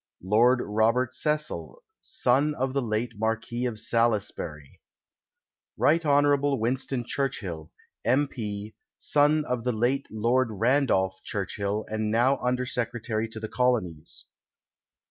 Lord Robert Cecil, son of the late Marquis of Salisbury. Rt. Hon. Winston Churchill, M. P., son of the late Lord Randolph Churchill, and now Under Secretary to the Colonies.